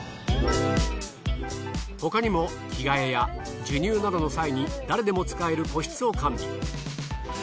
他にも着替えや授乳などの際に誰でも使える個室を完備。